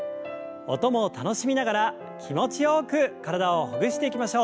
音も楽しみながら気持ちよく体をほぐしていきましょう。